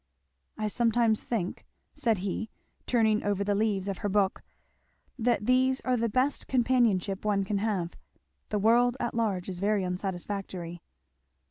"I sometimes think," said he turning over the leaves of her book, "that these are the best companionship one can have the world at large is very unsatisfactory."